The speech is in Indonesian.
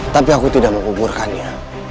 tapi aku tidak mau kuburkannya